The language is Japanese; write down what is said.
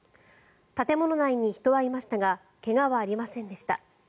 建物内に人はいましたが怪我はありませんでした。